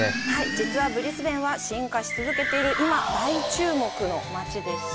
実はブリスベンは進化し続けている今、大注目の街でして。